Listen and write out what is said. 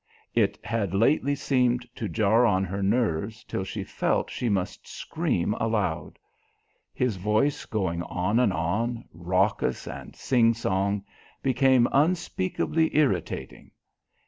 It had lately seemed to jar on her nerves till she felt she must scream aloud. His voice going on and on, raucous and sing song, became unspeakably irritating.